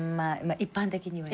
一般的にはね。